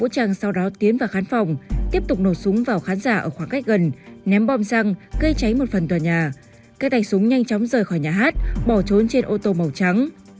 các tài súng nhanh chóng rời khỏi nhà hát bỏ trốn trên ô tô màu trắng